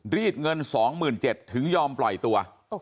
รีดเงิน๒๗๐๐ถึงยอมปล่อยตัว